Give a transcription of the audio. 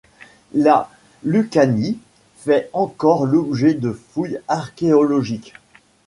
La Lucanie fait encore l'objet de fouilles archéologiques.